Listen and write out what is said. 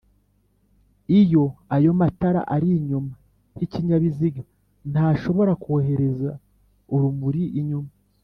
Iyo ayo matara ari inyuma h'ikinyabiziga, ntashobora kohereza urumuri inyuma.